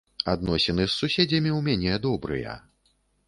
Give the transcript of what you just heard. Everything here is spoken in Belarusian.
Адносіны з суседзямі ў мяне добрыя.